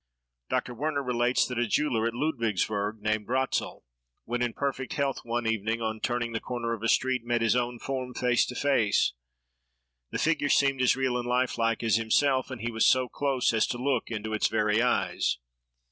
Dr. Werner relates that a jeweller at Ludwigsburg, named Ratzel, when in perfect health, one evening, on turning the corner of a street, met his own form, face to face. The figure seemed as real and lifelike as himself; and he was so close as to look into its very eyes.